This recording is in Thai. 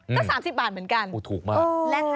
ก็๓๐บาทเหมือนกันถูกมาก